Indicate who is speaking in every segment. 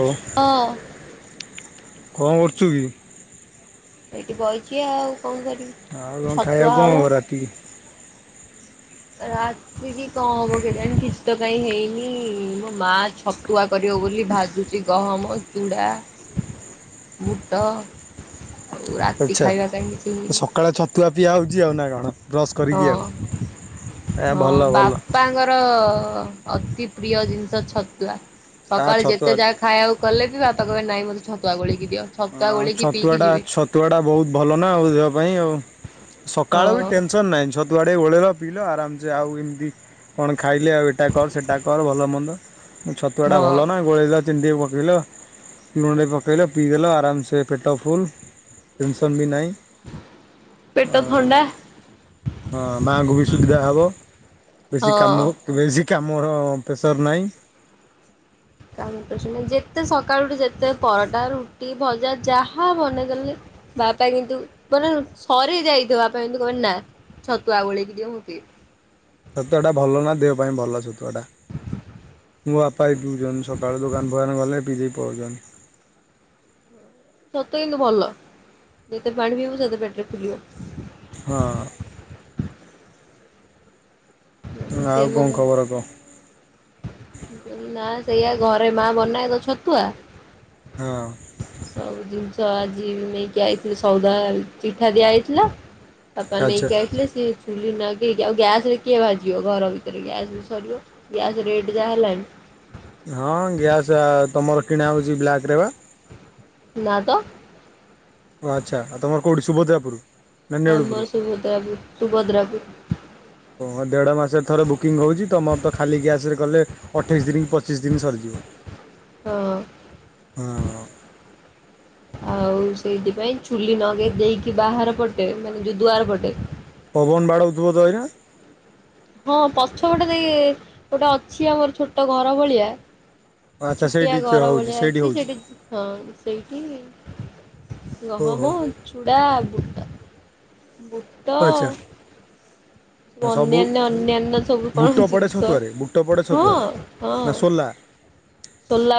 Speaker 1: ଓ
Speaker 2: ହଁ
Speaker 1: କଣ କରୁଛୁ କି?
Speaker 2: ଏଇଠି ବଇଚି ଆଉ କଣ କରିବି, ଛତୁଆ ହବ।
Speaker 1: ଟିକେ
Speaker 2: ରାତିକି କଣ ହବ କେଜାଣି କିଛି ତ କାଇଁ ହେଇନି, ମୋ ମା ଛ ତୁଆ କରିବ ବୋଲି ଭାଜୁଛି ଗହମ ଚୁଡ଼ା ବୁଟ। ଆଉ ରାତି
Speaker 1: ଆଚ୍ଛା
Speaker 2: ଖାଇବା ପାଇଁ କିଛି ହେଇନି।
Speaker 1: ସକାଳେ ଛତୁଆ ପିଆ ହେଉଛି ଆଉ ନା କଣ ବ୍ରସ୍
Speaker 2: ହଁ
Speaker 1: କରିକି ଏ
Speaker 2: ହଁ
Speaker 1: ଭଲ ଭଲ।
Speaker 2: ବାପାଙ୍କର ଅତି ପ୍ରିୟ ଜିନିଷ ଛତୁଆ
Speaker 1: ଆ
Speaker 2: ସକାଳେ
Speaker 1: ଛତୁଆ
Speaker 2: ଯେତେ ଯା ଖାଇବାକୁ କଲେ ବି ବାପା କହିବେ ନାାଇଁ ମୋତେ ଛତୁଆ ଗୋଳେଇକି ଦିଅ। ଛତୁଆ
Speaker 1: ନା
Speaker 2: ଗୋଳେଇକି ପିଇକି
Speaker 1: ଛତୁଆ ଟା
Speaker 2: ଯିବେ।
Speaker 1: ଛତ ତୁଆଟା ବହୁତ ଭଲ ନା ଦେହ ପାଇଁ ସକାଳ ବି
Speaker 2: ହଁ
Speaker 1: ଟେନସନ୍ ନାହିଁ, ଛତ ଛତୁଆ [unintelligible] ଗୋଳେଇ ଆରାମସେ ଆଉ ଏମିତି। କଣ ଖାଇଲେ ଆଉ ଏଟା କର ସେଟା କର ଭଲ ମନ୍ଦ। ଛତୁଆ ଟା
Speaker 2: ହଁ
Speaker 1: ଭଲ ନା ଗୋଳେଇଲ ଚିନି ଟିକେ ପକେଇଲ ଲୁଣ ପକେଇଲ ପିଇ ଚାଲ ଆରାମସେ ପେଟ ଫୁଲ ଟେନସନ୍ ବି ନାହିଁ।
Speaker 2: ପେଟ ଥଣ୍ଡା
Speaker 1: ଆଉ। ହଁ ମାଆଙ୍କୁ ବି ସୁବିଧା ହେବ ବେଶୀ
Speaker 2: ହଁ।
Speaker 1: କାମ ବେଶୀ କାମର ପ୍ରେସର ନାହିଁ।
Speaker 2: କା ଯେତେ ସକାଳୁଠୁ ଯେତେ ପରଟା ରୁଟି ଭଜା ଯାହା ବନେଇଗଲି ବାପା କିନ୍ତୁ ମାନେ ସରେ ଯାଇଥିବ ବାପା କିନ୍ତୁ କହ ନା ଛତୁଆ ଗୋଳେଇକି ଦିଅ
Speaker 1: ସତୁଆଟା ଭଲ ନା ଦେହ ପାଇଁ ଭଲ ସତୁଆଟା। ମୋ ବାପା ବି ପିଉଛନ୍ତି ସକାଳୁ ଦୋକାନ ଭୟାନ ଗଲେ ପିଇ ଦେଇକି ପଳାଉଛନ୍ତି।
Speaker 2: ସତ କେୁ ଭଲ ଯେତେ ପାଣି ପିଇବୁ ସେତେ ପେଟରେ ଫଲିବ।
Speaker 1: ହଁ। ହ
Speaker 2: ସେ
Speaker 1: ଆଉ
Speaker 2: ମୋ
Speaker 1: କଣ ଖବର କହ।
Speaker 2: ନା ସେଇଆା ଘରେ ମା ବନାଏ ତ ଛତୁଆ।
Speaker 1: ହଁ।
Speaker 2: ସବୁ ଜିନିଷ ଆଜି ନେଇକି ଯଇଥିଲି ସଉଦା ଚିଠା ଦିଆଯାଇଥିଲା। ତାପା
Speaker 1: ଆଚ୍ଛା
Speaker 2: ନେଇକି [unintelligible] ଲି ନା କିଉ ଗ୍ୟାସ୍ ରେ କିଏ ଭାଜିବ ଘର ଭିତରେ ଗ୍ୟାସ୍ ବି ସରିବ ଗ୍ୟାସ୍ ରେଟ୍ ଯାହା ହେଲାନି।
Speaker 1: ହଁ ଗ୍ୟାସ୍ ତୁମର କିଣା ହେଉଛି ବ୍ଲାକ୍ରରେ ବା?
Speaker 2: ନା ତ।
Speaker 1: ଆଚ୍ଛା ଆ ତମର କେଉଁଠି ସୁଭଦ୍ରାପୁର ନା ନେଉଳପୁର?
Speaker 2: ଆମର ସୁଭଦ୍ରାପୁର ସୁଭଦ୍ରାପୁର।
Speaker 1: ହଁ ଦେଢ଼ ମାସରେ ଥରେ ବୁକିଂ ହେଉଛି ତମୋର ତ ଖାଲି ଗ୍ୟାସ୍ ରେ ହେଲେ ଅଠେଇଶ ଦିନ କି ପଚିଶ ଦିନ ସରିଯିବ। ହଁ
Speaker 2: ହଁ। ଆଉ ସେଇଥିପାଇଁ ଚୁଲି ନଗେଇ ଦେଇକି ବାହାର ପଟେ ମାନେ ଯୋଉ ଦୁଆର ପଟେ।
Speaker 1: ପବନ ବଡୋଉଥିବ [unintelligible]
Speaker 2: ହଁ ପଛ ଗୋଟେ ଗୋଟେ ଅଛି ଆମର ଛୋଟ ଘର ଭଳିଆ
Speaker 1: ଆଚ୍ଛା
Speaker 2: ଛୁଟିଆ
Speaker 1: ସେଇଠି
Speaker 2: ଘର
Speaker 1: ହଉଛି
Speaker 2: ଭଳିଆ ଅଛି
Speaker 1: ହଉଛି
Speaker 2: ସେଇଠି ହଁ ସେଇଠି
Speaker 1: ଓହୋ
Speaker 2: ଗହମ ଚୁଡ଼ା ବୁଟ ବୁଟ
Speaker 1: ଆଚ୍ଛା ହଁ ସବୁ
Speaker 2: ଅନ୍ୟାନ୍ୟ ଅନ୍ୟାନ୍ୟ ସବୁ
Speaker 1: ବୁଟ
Speaker 2: କଣ
Speaker 1: ପଡ଼େ
Speaker 2: ଜିନିଷ
Speaker 1: ଛତୁଆରେ ବୁଟ ପଡ଼େ
Speaker 2: ହଁ
Speaker 1: ଛତୁଆରେ
Speaker 2: ହଁ।
Speaker 1: ନା ସୋଲା
Speaker 2: ସୋଲା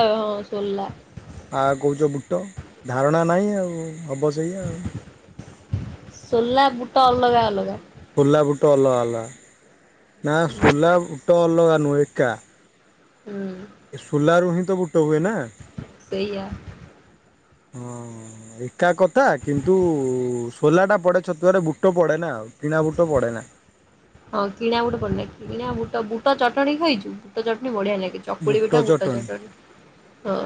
Speaker 2: ସୋଲା।
Speaker 1: ଆ କହୁଛ ବୁଟ ଧାରଣା ନାହିଁ ଆଉ ହବ ସେଇ ଆଉ।
Speaker 2: ସୋଲା ବୁଟ ଅଲଗା ଅଲଗା।
Speaker 1: ସୋଲା ବୁଟ ଅଲଗା ହେଲା ନା ସୋଲା ବୁଟ ଅଲଗା ନୁହେଁ ଏକା।
Speaker 2: ହୁଁ।
Speaker 1: ଏ ସୋଲାରୁ ହିଁ ତ ବୁଟ ହୁଏ ନା।
Speaker 2: ସେଇଆ
Speaker 1: ହଁ। ଏକା କଥା କିନ୍ତୁ ସୋଲାଟା ପଡ଼େ ଛତୁଆରେ ବୁଟ ପଡ଼େନା ଆଉ କିଣା ବୁଟ ପଡ଼େନା।
Speaker 2: ହଁ କିଣା ବୁଟ ପଡେନା କିଣା ବୁଟ ବୁଟ ଚଟଣି ଖାଇଛୁ ବୁଟ ଚଟଣି ବଢିଆ ଲାଗେ। ଚକୁଳି ପିଠା ବୁଟ ଚଟଣି ହଁ।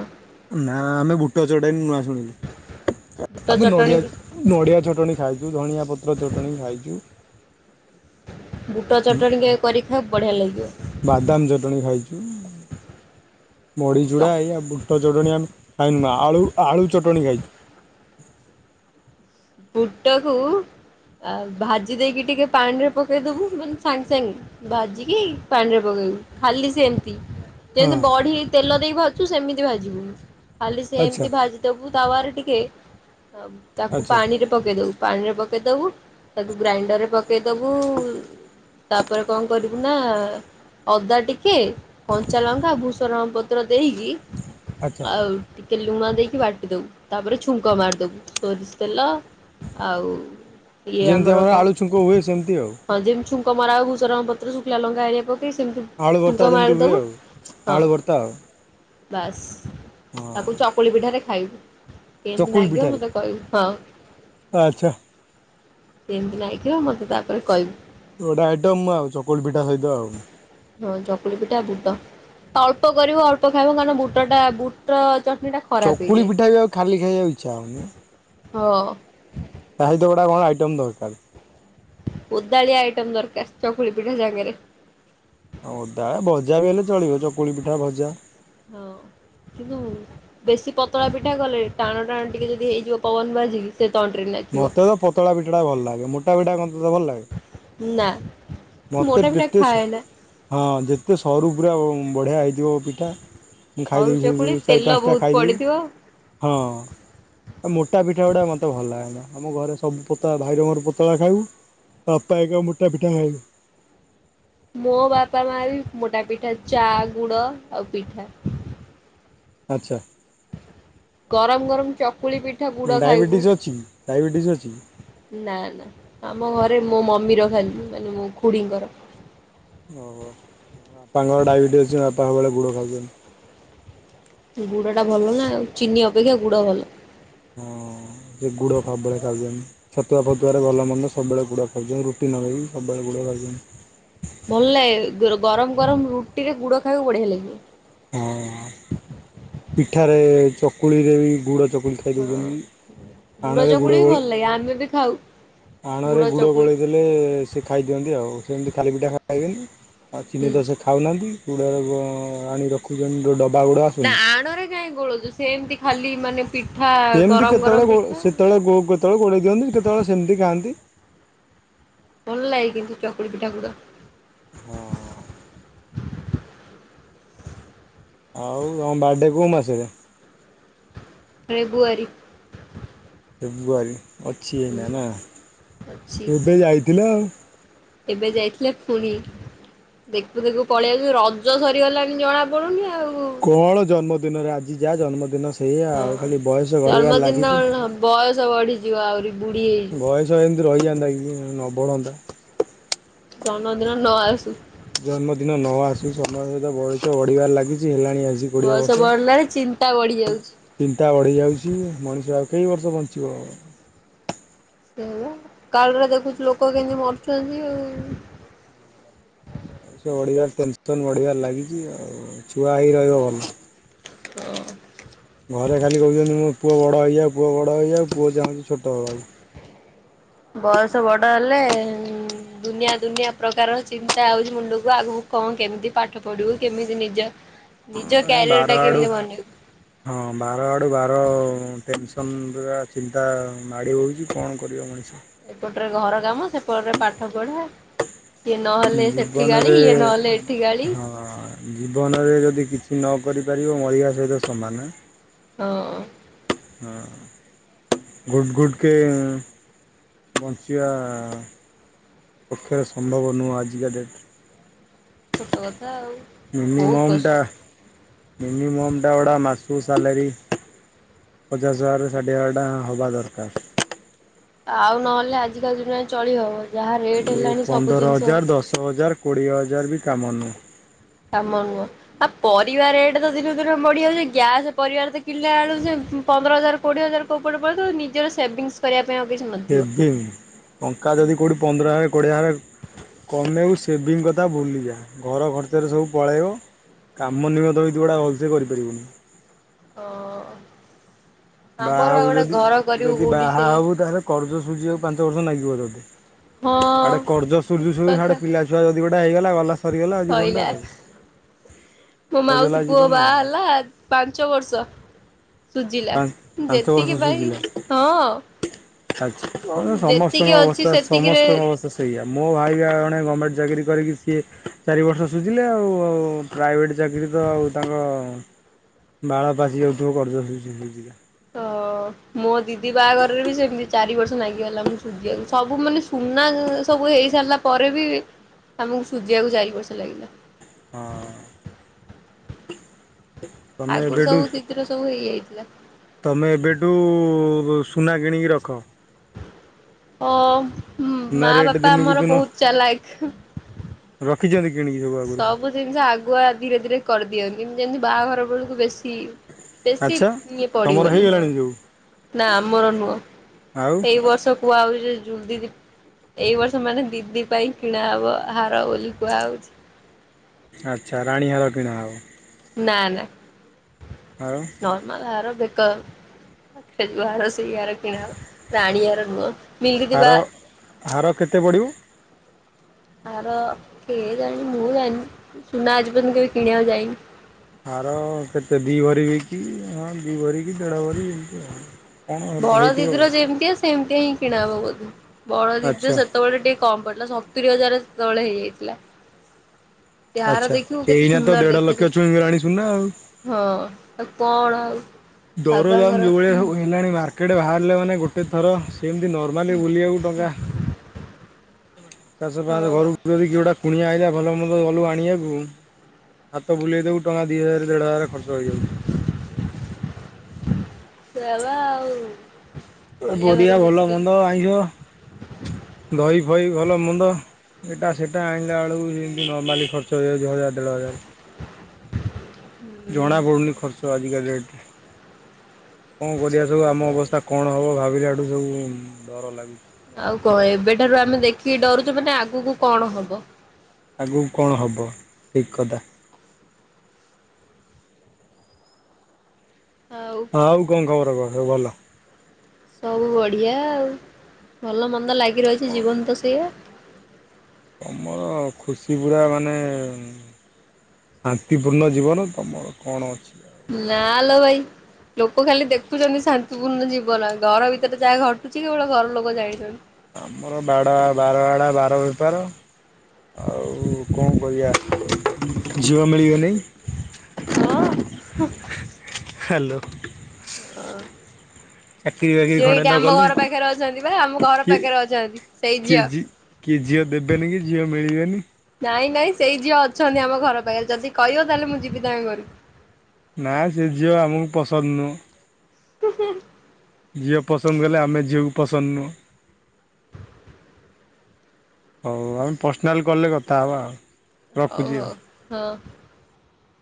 Speaker 1: ନା ଆମେ ବୁଟଛରଟା ନୂଆ ଶୁଣିଲୁ
Speaker 2: ବୁଟ
Speaker 1: ଆମେ
Speaker 2: ଚଟଣି
Speaker 1: ନଡିଆ ନଡ଼ିଆ ଚଟଣି ଖାଇଛୁ ଧଣିଆ ପତ୍ର ଚଟଣି ଖାଇଛୁ।
Speaker 2: ବୁଟ ଚଟଣି କେବେ କରିକି ଖାଅ ବଢ଼ିଆ ଲାଗିବ?
Speaker 1: ବାଦାମ ଚଟଣି ଖାଇଛୁ।
Speaker 2: ଚ
Speaker 1: ମଡ଼ିଚୁଡ଼ା ଏଇଆ ବୁଟ ଚଟଣି ଆମେ ଖାଇନୁ ଆଳୁ ଆଳୁ ଚଟଣି ଖାଇଛୁ।
Speaker 2: ବୁଟକୁ ଆ ଭାଜି ଦେଇକି ଟିକେ ପାଣିରେ ପକେଇଦବୁ ମାନେ ସାଙ୍ଗ ସାଙ୍ଗେ ଭାଜିିକି ପାଣିରେ ପକେଇବୁ ଖାଲି ସେମତି ଯେମିତି
Speaker 1: ହଁ
Speaker 2: ବଢି ତେଲ ଦେଇ ଭାଯୁଛୁ ସେମିତି ଭାଜିବୁ ଖାଲି
Speaker 1: ଆଚ୍ଛା
Speaker 2: ସେମିତି ଭାଜ ଦବୁ ତାୱାରେ ଟିକେ ତାକୁ
Speaker 1: ଆଚ୍ଛା
Speaker 2: ରେ ପକେଇ ଦେବୁ ପାଣିରେ ପକେଇ ଦେବୁ ତାକୁ ଗ୍ରାଇଣ୍ଡର ରେ ପକେଇଦବୁ। ତାପରେ କଣ କରିବୁ ନା? ଅଦା ଟିକେ କଞ୍ଚାଲଙ୍କା ଭୂଷ ରଙ୍ଗ ପତ୍ର ଦେଇକି
Speaker 1: ଆଚ୍ଛା
Speaker 2: ଆଉ ଟିକେ ଲୁଣ ଦେଇକି ବାଟିଦବୁ ତାପରେ ଛୁଙ୍କ ମାରିଦବୁ ସୋରିଷ ତେଲ ଆଉ ଇଏ
Speaker 1: ଯେମିତି
Speaker 2: ଆମର କଣ?
Speaker 1: ଆଳୁ ଛୁଙ୍କ ହୁଏ ସେମିତି ଆଉ।
Speaker 2: ହଁ ଯେମିତି ଛୁଙ୍କ ମରା ହୁଏ ଭୁସରଙ୍ଗ ପତ୍ର ଶୁଖିଲା ଲଙ୍କା ହେରିିକା ପକେଇକି ସେମିତି। ଛୁଙ୍କ
Speaker 1: ଆଳୁବର୍ତ୍ତା ଯେମିତି ହୁଏ
Speaker 2: ମାରିଦବୁ
Speaker 1: ଆଉ
Speaker 2: ହଁ
Speaker 1: ଆଳୁବର୍ତ୍ତା ଆଉ
Speaker 2: ବାସ୍
Speaker 1: ହଁ
Speaker 2: ତାକୁ ଚକୁଳି ପିଠାରେ ଖାଇବୁ କେମିତି
Speaker 1: ଚକୁଳି
Speaker 2: ନାଗିବ
Speaker 1: ପିଠାରେ
Speaker 2: ମତେ କହିବୁ? ହଁ
Speaker 1: ଆଚ୍ଛା।
Speaker 2: କେମିତି ନାଗିବ ମତେ ତାପରେ କହିବୁ?
Speaker 1: ଗୋଟେ ଆଇଟମ୍ ଆଉ ଚକୁଳି ପିଠା ସହିତ ଆଉ
Speaker 2: ହଁ ଚକୁଳି ପିଠା ବୁଟ ଅଳ୍ପ କରିବ ଅଳ୍ପ ଖାଇବ କାରଣ ବୁଟ ଟା ବୁଟ ଚଟଣିଟା।
Speaker 1: ଚକୁଳି ପିଠାବି ଖାଲି ଖାଇବାକୁ ଇଚ୍ଛା ହଉନି।
Speaker 2: ହଁ।
Speaker 1: ତାହେଲେ ଗୋଟେ କଣ ଆଇଟମ୍ ଦରକାର।
Speaker 2: ଓଦାଳିଆ ଆଇଟମ ଦରକାର ଚକୁଳି ପିଠା ସାଙ୍ଗେରେ।
Speaker 1: ଓଦା ଭଜା ବି ହେଲେ ଚଳିବ ଚକୁଳି ପିଠା ଭଜା।
Speaker 2: ହଁ କିନ୍ତୁ। ବେଶୀ ପତଳା ପିଠା କଲେ ଟାଣ ଟାଣ ଟିକେ ଯଦି ହେଇଯିବ ପବନ ବାଜିକି। ସେ ତଣ୍ଟୀରେ ନା
Speaker 1: ମୋତେ ତ ପତଳା ପିଠାଟା ଭଲ ଲାଗେ ମୋଟା ପିଠା କଣ ତତେ ଭଲ ଲାଗେ?
Speaker 2: ନା
Speaker 1: ମତେ
Speaker 2: ମୋଟା ପିଠା
Speaker 1: ଯେତେ ସ
Speaker 2: ଖାଏନା।
Speaker 1: ହଁ ଯେତେ ସରୁ ପୁରା ବଢ଼ିଆ ହେଇଥୀବ ପିଠା। ମୁଁ
Speaker 2: ସରୁ
Speaker 1: ଖାଇଦେବି
Speaker 2: ଚକୁଳି
Speaker 1: ଚାରି
Speaker 2: ତେଲ
Speaker 1: ପାଞ୍ଚଟା
Speaker 2: ବହୁତ
Speaker 1: ଖାଇଦେବି
Speaker 2: ପଡିଥିବ।
Speaker 1: ହଁ। ଆଉ ମୋଟା ପିଠା ଗୁଡ଼ା ମୋତେ ଭଲ ଲାଗେନା ଆମ ଘରେ ସବୁ ପୋ ଭାଇର ମୋରପତଳା ଖାଇବୁ। ପାପା ହେରିକା ମୋଟା ପିଠା ଖାଇବେ।
Speaker 2: ମୋ ବାପା ମା ବି ମୋଟା ପିଠା ଚା ଗୁଡ ଆଉ ପିଠା।
Speaker 1: ଆଚ୍ଛା।
Speaker 2: ଗରମ ଗରମ ଚକୁଳି ପି
Speaker 1: ଡାଇବେଟିସ୍ ଅଛି ଡାଇବେଟିସ୍ ଅଛି।
Speaker 2: ନା ନା ଆମ ଘରେ ମୋ ମମିର ଖାଲି ମାନେ ମୋ ଖୁଡ଼ିଙ୍କର।
Speaker 1: ଓହୋ ବାପାଙ୍କର ଡାଇବେଟିସ୍ ଅଛି ବାପା ସବୁବେଳେ ଗୁଡ ଖାଉଛନ୍ତି।
Speaker 2: ଗୁଡ ଟା ଭଲ ନା ଆଉ ଚିନି ଅପେକ୍ଷା ଗୁଡ ଭଲ।
Speaker 1: ହଁ ଗୁଡ଼ ସବୁବେଳେ ଖାଉଛନ୍ତି। ଛତୁଆ ଫତୁଆରେ ଭଲ ମନ୍ଦ ସବୁବେଳେ ଗୁଡ଼ ଖାଉଛନ୍ତି ରୁଟି ନଗେଇକି ସବୁବେଳେ ଗୁଡ଼ ଖାଉଛନ୍ତି।
Speaker 2: ଭଲ ଲାଗେ ଗରମ ଗରମ ରୁଟିରେ ଗୁଡ ଖାଇବାକୁ ବଢିଆ ଲାଗିବ।
Speaker 1: ହଁ ପିଠାରେ ଚକୁଳିରେ ବି ଗୁଡ଼ ଚକୁଳି
Speaker 2: ହଁ।
Speaker 1: [unintelligible] ଆଣରେ ଗୁଡ଼ ଗୋଳେ
Speaker 2: ଏଇଆ ଆମେ ବି ଖାଉ। ଗୁଡ
Speaker 1: ଆଣରେ ଗୁଡ଼
Speaker 2: ଚକୁଳି
Speaker 1: ଗୋଳେଇ ଦେଲେ ସେ ଖାଇଦିଅନ୍ତି ଆଉ ସେମିତି ଖାଲି ପିଠା ଖାଇବେନି। ଆଉ
Speaker 2: ହୁଁ।
Speaker 1: ଚିନିତ ସେ ଖାଉନାହାଁନ୍ତି ଗୁଡ଼ରେ ଆଣି ରଖୁଛନ୍ତି ଜଉ ଡ
Speaker 2: ନା ଆଣରେ କାହିଁ ଗୋଳଉଚ ସେମିତି ଖାଲି ମାନେ ପିଠା
Speaker 1: ସେମିତି
Speaker 2: ଗରମ ଗରମ
Speaker 1: କେତେବେଳେ
Speaker 2: ପିଠା।
Speaker 1: ସେତେବେଳେ ଗୋ କେତେବେଳେ ଗୋଳେଇ ଦିଅନ୍ତି କେତେବେଳେ ସେମିତି ଖାଆନ୍ତି।
Speaker 2: ଭଲ ଲାଗେ କିନ୍ତୁ ଚକୁଳି ପିଠାଗୁଡ।
Speaker 1: ହଁ। ଆଉ ଆମ ବାର୍ଥଡ଼େ କଉ ମାସରେ।
Speaker 2: ଫେବୃଆରୀ।
Speaker 1: ଫେବୃଆରୀ ଅଛି ଏଇନା ନା
Speaker 2: ଅଛି।
Speaker 1: ଏବେ ଯାଇଥିଲା ଆଉ।
Speaker 2: ଏବେ ଯାଇଥିଲେ ଫୁଣି। ଦେଖୁ ଦେଖୁ ପଳେଇବି ରଜ ସରିଗଲାଣି ଜଣା ପଡୁନି ଆଉ।
Speaker 1: କଣ ଜନ୍ମଦିନରେ ଆଜି ଯାଆ ଜନ୍ମଦିନ ସେ ସେଇଆ
Speaker 2: ହଁ
Speaker 1: ଆଉ ଖାଲି ବୟସ ଗଡେଇବାରେ
Speaker 2: ଜନ୍ମଦିନ
Speaker 1: ଲାଗିଚି
Speaker 2: ବୟସ ବଢିଯିବ ଆହୁରି ବୁଢୀ ହେଇଯିବୁ।
Speaker 1: ବୟସ ଏମିତି ରହିଯାନ୍ତା କି ନ ବଢ଼ନ୍ତା।
Speaker 2: ଜନ୍ମଦିନ ନ ଆସୁ।
Speaker 1: ଜନ୍ମଦିନ ନଆସୁ ସମୟ ସହିତ ବୟଚ ବଢିବାରେ ଲାଗିଛି ହେଲାଣି ଆଜି
Speaker 2: ବୟସ ବଢିଲାଣି ଚିନ୍ତା ବଢି ଯାଉଛି।
Speaker 1: ଚିନ୍ତା ବଢ଼ି ଯାଉଛି ମଣିଷ ଆଉ କେଇ ବର୍ଷ ବଞ୍ଚିବ।
Speaker 2: ଅକାଳରେ ଦେଖୁଛୁ ଲୋକ କେମିତି ମରୁଛନ୍ତି ଆଉ।
Speaker 1: ମଣିଷ ବଢ଼ିବାର ଟେନସନ୍ ବଢ଼ିବାରେ ଲାଗିଛି ଆଉ ଛୁଆ ହେଇ ରହିବ ଭଲ। ଘରେ ଖାଲି କହୁଛନ୍ତି ମୋ ପୁଅ ବଡ଼ ହେଇଯାଉ ପୁଅ ବଡ଼ ହେଇଯାଉ ପୁଅ ଚାହୁଁଛି ଛୋଟ ହେବାକୁ।
Speaker 2: ବୟଷ ବଡ ହେଲେ ଏଉଁ ଦୁନିଆ ଦୁନିଆ ପ୍ରକାର ଚିନ୍ତା ଆଉଚି ମୁଣ୍ଡକୁ ଆଗକୁ କଣ କେମିତି ପାଠ ପଢିବୁ କେମିତି ନିଜ ନିଜ
Speaker 1: ଏ
Speaker 2: କ୍ୟାରିୟର
Speaker 1: ବାର
Speaker 2: ଟା
Speaker 1: ଆଡ଼ୁ
Speaker 2: କେମିତି ବନେଇବୁ।
Speaker 1: ହଁ ବାର ଆଡୁ ବାର ଟେନସନ ବା ଚିନ୍ତା ମାଡ଼ି ବଉଚି କଣ କରିବ ମଣିଷ।
Speaker 2: ଏପଟରେ ଘର କାମ ସେପଟରେ ପାଠ ପଢା଼। ସିଏ ନହେଲେ ସେଠି ଗାଳି
Speaker 1: ଜୀବନରେ
Speaker 2: ଇଏ ନହେଲେ ଏଠି ଗାଳି।
Speaker 1: ହଁ ଜୀବନରେ ଯଦି କିଛି ନ କରିପାରିବ ମରିବା ସହିତ ସମାନେ।
Speaker 2: ହଁ।
Speaker 1: ହଁ ଗୁଡ୍ ଗୁଡ୍ କେମ୍ ଼ ଼ ବଞ୍ଚିଵା ଆ ପକ୍ଷରେ ସମ୍ଭବ ନୁହୁଁ ଆଜିକା ଡେଟରେ।
Speaker 2: ସତକଥା ଆଉ ବହୁତ କଷ୍ଟ।
Speaker 1: ମିନିମମ ଡ଼ାଓଡା ମାସକୁ ସାଲାରୀ। ପଚାସ ହଜାର ରୁ ଷାଠିଏ ହଜାର ଟଙ୍କା ହେବା ଦରକାର।
Speaker 2: ଆଉ ନହେଲେ ଆଜିକାଲି ଦୁନିଆରେ ଚଳି ହବ ଯାହା ରେଟ୍ ହେଲାଣି ସବୁ ଜିନିଷ
Speaker 1: ହଜାରେ କୋଡ଼ିଏ ହଜାରେ ବି କାମ ନୁହୁଁ।
Speaker 2: କାମ ନୁହଁ। ଆ ପରିବା ରେଟ୍ ତ ଦିନ କୁ ଦିନ ବଢିଯାଉଛି ଗ୍ୟାସ୍ ପରିବାର ତ କିଣିଲେ ଵେଳେକୁ ସେ ପନ୍ଦର ହଜାର କୋଡିଏ ହଜାର [unintelligible] ନିଜର ସେଭିଙ୍ଗିସ କରିବା ପାଇଁ ଆଉ କିଛି ନ
Speaker 1: କେଭିନି ଟଙ୍କା ଯଦି କୋଉଠୁ ପନ୍ଦର ହାରେ କୋଡ଼ିଏ ହାରେ କନେୟୁ ସେଭିଙ୍ଗ କଥା ଭୁଲିଯା ଘର ଖର୍ଚ୍ଚରେ ସବୁ ପଳେଇବ। କାମ ନିମତ [unintelligible] ତୁ ଗେଟେ ଭଲସେ କରିପାରିବୁନି।
Speaker 2: ହଁ।
Speaker 1: ବାହା
Speaker 2: ଆମର ଆଉ
Speaker 1: ହେବୁ
Speaker 2: ଗୋଟେ
Speaker 1: ଯଦି
Speaker 2: ଘର କରିବୁ
Speaker 1: ଯଦି
Speaker 2: କୋଉଠି
Speaker 1: ବାହା
Speaker 2: ସେ
Speaker 1: ହେବୁ ତାହେଲେ କରର୍ଜ ସୁଝିବାକୁ ପାଞ୍ଚ ବର୍ଷ ନାଗିବ
Speaker 2: ହଁ
Speaker 1: ତତେ। ଆଡେ କର୍ଜ ସୁୁଜୁ
Speaker 2: ଠିକ୍
Speaker 1: ସୁଜୁ
Speaker 2: କଥା।
Speaker 1: ସେଆଡେ଼ ପିଲାଛୁଆ ଯଦି ଗୋଟେ ହେଇଗଲା ଗଲା ସରିଗଲା ଆଉ ଜୀବନଟା
Speaker 2: ସଇଲା
Speaker 1: ଆଉ।
Speaker 2: ମୋ
Speaker 1: ସରିଗଲା
Speaker 2: ମାଉସୀ ପୁଅ
Speaker 1: ଜୀବନ
Speaker 2: ବାହା
Speaker 1: ଆଉ
Speaker 2: ହେଲା। ପାଞ୍ଚ ବର୍ଷ ସୁଝିଲା
Speaker 1: ପାଞ୍ଚ ପାଞ୍ଚ
Speaker 2: ଯେତିକି ଵାଇ ହଁ
Speaker 1: ଆଚ୍ଛା ମାନେ
Speaker 2: ଯେତିକି
Speaker 1: ସମସ୍ତଙ୍କ
Speaker 2: ଅଛି
Speaker 1: ଅବସ୍ଥା
Speaker 2: ସେତିକିରେ
Speaker 1: ସମସ୍ତଙ୍କ ଅବସ୍ଥା ସେଇଆ ମୋ ଭାଇ ଜଣେ ଗର୍ମେଣ୍ଟ ଚାକିରି କରିକି ସିଏ ଚାରି ବର୍ଷ ସୁଝିଲେ ଆଉ। ପ୍ରାଇଭେଟେ ଚାକିରୀ ତ ଆଉ ତାଙ୍କ ବାଳ ପାଚି ଯାଉଥିଵ କରଜ ସୁଜି ସୁଜି
Speaker 2: ତ ମୋ ଦିଦି ବାହାଘରରେ ବି ସେମିତି ଚାରି ବର୍ଷ ଲାଗିଗଲା ମୁଁ ସୁଝିବାକୁ ସବୁ ମାନେ ସୁନା ସବୁ ହେଇ ସାରେଲା ପରେ ବି ଆମକୁ ସୁଝିବାକୁ ଚାରି ବର୍ଷ ଲାଗିଲା।
Speaker 1: ହଁ। ତମେ
Speaker 2: ଆଗରୁ ସବୁ ଦିଦିର ସବୁ ହେଇଯାଇଥିଲା।
Speaker 1: ତୁମେ ଏବେଠୁ ସୁନା କିଣିକି ରଖ।
Speaker 2: ଓ
Speaker 1: ସୁନା
Speaker 2: ମା
Speaker 1: ରେଟ୍
Speaker 2: ବାପା
Speaker 1: ଦିନକୁ
Speaker 2: ଆମର
Speaker 1: ଦିନ
Speaker 2: ବହୁତ ଚାଲାକ।
Speaker 1: ରଖିଛନ୍ତି କିଣିକି ସବୁ ଆଗରୁ।
Speaker 2: ଜିନିଷ ଆଗୁଆ ଧୀରେ ଧୀରେ କରିଦିଅନ୍ତି ଯେମିତି ବାହାଘର ବେଳକୁ ବେଶୀ ବେଶୀ
Speaker 1: ଆଚ୍ଛା
Speaker 2: ନି
Speaker 1: ତମର
Speaker 2: ପଡିିବ ବନି ହଁ।
Speaker 1: ହେଇଗଲାଣି ସବୁ
Speaker 2: ନା ଆମର ନୁହଁ
Speaker 1: ଆଉ
Speaker 2: ଏଇ ବର୍ଷ କୁହା ହଉଛି ଜୁଲି ଦିଦି ଏଇ ବର୍ଷ ମାନେ ଦିଦି ପାଇଁ କିଣା ହବ ହାର ବୋଲି କୁହାହଉଛି।
Speaker 1: ଆଚ୍ଛା ରାଣୀ ହାର କିଣା ହେବ।
Speaker 2: ନା ନା।
Speaker 1: ଆଉ
Speaker 2: ନର୍ମାଲ ହାର ବେକ ସେ ଯଉ ଆର ସେ ଆର କିଣା ହବ ରାଣୀ ହାର ନୁହଁ ମିଲକି
Speaker 1: ହାର
Speaker 2: ବା
Speaker 1: ହାର କେତେ ପଡ଼ିବ?
Speaker 2: ଆର କେଜାଣି ମୁଁ ଜାଣିନି ସୁନା ଆଜି ପର୍ଯ୍ୟନ୍ତ କେବେ କିଣିବାକୁ ଯାଇନି।
Speaker 1: ହାର କେତେ ଦି ଭରି ହେଇକି ହଁ। କି ଭରିିକି ଦେ଼ଢ ଭରି ଏମିତି ଆ କଣ ହେଇଥିବ ଆଉ।
Speaker 2: ସେମିତି ହିଁ କିଣା ହବ ବୋଧେ ବଡ଼ ଦିଦି
Speaker 1: ଆଚ୍ଛା
Speaker 2: ସେତେବେଳେ ଟି କମ ପଡିଲା ସତୁରି ହଜାର ସେତଳେ ହେଇଯାଇଥିଲା। ତହାର
Speaker 1: ଆଚ୍ଛା
Speaker 2: ଦେଖିବୁ କେତେ
Speaker 1: ଏଇନା ତ
Speaker 2: ସୁନ୍ଦର
Speaker 1: ଦେଢ଼ ଲକ୍ଷ
Speaker 2: ଦେଖଯ
Speaker 1: ଛୁଇଁଗଲାଣି ସୁନା ଆଉ
Speaker 2: ହଁ ଆ କଣ ବାବା
Speaker 1: ଦରଦାମ
Speaker 2: ଘର
Speaker 1: ଯେଉଁ ଭଳିଆ ସବୁ ହେଲାଣି ମାର୍କ ଏଇଟା ବାହାରିଲେ ମାନେ ଗୋଟେ ଥର ସେମିତି ନର୍ମାଲି ବୁଲିବାକୁ ଟଙ୍କା
Speaker 2: ହଁ।
Speaker 1: [unintelligible] କୁଣିଆ ଆଇଲା ଭଲ ମନ୍ଦ ଗଲୁ ଆଣିବାକୁ ହାତ ବୁଲେଇ ଦବୁ ଟଙ୍କା ଦି ହଜାର ଦେଢ ହଜାର ଖର୍ଚ୍ଚ ହେଇଯାଉଚି।
Speaker 2: ସେ ହେଲା ଆଉ ଚଳିବା ଭାରି
Speaker 1: ବୋରିଆ ଭଲ
Speaker 2: ମୁସ୍କିଲ।
Speaker 1: ମନ୍ଦ ଆଇଁଷ ଦହି ଫଇ ଭଲ ମନ୍ଦ। ଏଇଟା ସେଟା ଆଣିଲା ବେଳକୁ ଯେମିତି ନର୍ମାଲି ଖର୍ଚ୍ଚ ହେଇଯାଉଛି ହଜାର ଦେଢ ହଜାର। ଜଣା ପଡୁନି ଖର୍ଚ୍ଚ ଆଜିକାଲି ଡେଟରେ କଣ କରିବା
Speaker 2: ସତ
Speaker 1: ସବୁ ଆମ
Speaker 2: କଥା।
Speaker 1: ଅବସ୍ଥା କ କଣ ହବ ଭାବିଲାଠୁ ସବୁ ଡର ଲାଗୁ
Speaker 2: ଆଉ କଣ ଏବେଠାରୁ ଆମେ ଦେଖିକି ଡରୁଚୁ ମାନେ ଆଗକୁ କଣ ହବ।
Speaker 1: ଆଗକୁ କଣ ହେବ ଠିକ୍ କଥା।
Speaker 2: ଆଉ
Speaker 1: ଆଉ କଣ ଖବର କଣ ସବୁ ଭଲ।
Speaker 2: ସବୁ ବଢିଆ ଆଉ ଭଲ ମନ୍ଦ ଲାଗି ରହିଚି ଜୀବନ ତ ସେଇଆ।
Speaker 1: ତମର ଖୁସି ପୁରା ମାନେ ଶାନ୍ତିପୂର୍ଣ୍ଣ ଜୀବନ ତୁମର କଣ ଅଛି। ଆଉ
Speaker 2: ନାଲୋ ଭାଇ। ଲୋକ ଖାଲି ଦେଖୁଛନ୍ତି ଶାନ୍ତିପୂର୍ଣ୍ଣ ଜୀବନ ଘର ଭିତରେ ଯାହା ଘଟୁଚି କେବଳ ଘର ଲୋକ ଯାଣିଚନ୍ତି।
Speaker 1: ଆମର ବାଡା ବାର ଆଡା ବାର ବେପାର। ଆଉ କଣ କରିବା ଝିଅ ମିଳିବେନେଇଁ।
Speaker 2: ହଁ।
Speaker 1: ହାଲୋ।
Speaker 2: ଓ
Speaker 1: ଚାକିରି ବାକିରି
Speaker 2: ଝିଅ
Speaker 1: ଖଣ୍ଡେ
Speaker 2: ଏଇଠି
Speaker 1: ନ
Speaker 2: ଆମ
Speaker 1: କଲେ
Speaker 2: ଘର ପାଖରେ ଅଛନ୍ତି ବା ଆମ ଘର ପାଖରେ ଅଛନ୍ତି ସେଇ ଝିଅ।
Speaker 1: କି ଝିଅ ଦେବେନି କି ଝିଅ ମିଳିବେନି।
Speaker 2: ନାଇଁ ନାଇଁ ସେଇ ଝିଅ ଅଛନ୍ତି ଆମ ଘର ପାଖରେ ଯଦି କହିବ ତାହେଲେ ମୁଁ ଯିବି ତମେ ଘରୁକୁ।
Speaker 1: ନା ସେ ଝିଅ ଆମକୁ ପସନ୍ଦ ନୁହଁ।
Speaker 2: ହୁଁ ହୁଁ।
Speaker 1: ଝିଅ ପସନ୍ଦ ହେଲେ ଆମେ ଝିଅକୁ ପସନ୍ଦ ନୁହଁ। ହଉ ଆମେ ପର୍ସନାଲ୍ କଲେ କଥା ହେବା ଆଉ।
Speaker 2: ହଉ
Speaker 1: ରଖୁଛି ଆଉ।
Speaker 2: ହଉ ହଁ।